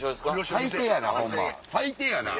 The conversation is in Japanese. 最低やな！